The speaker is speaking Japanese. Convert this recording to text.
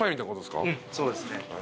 そうですね。